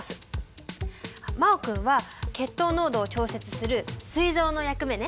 真旺君は血糖濃度を調節するすい臓の役目ね。